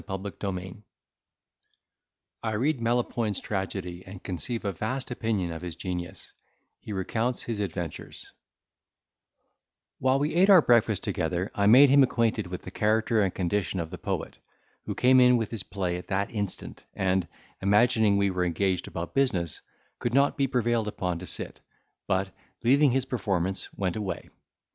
CHAPTER LXII I read Melopoyn's Tragedy, and conceive a vast Opinion of his Genius—he recounts his Adventures While we ate our breakfast together, I made him acquainted with the character and condition of the poet, who came in with his play at that instant, and, imagining we were engaged about business, could not be prevailed upon to sit; but, leaving his performance, went away.